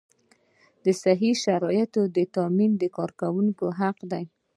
د صحي شرایطو تامین د کارکوونکي حق دی.